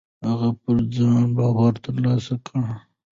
هغه پر ځان باور ترلاسه کړ.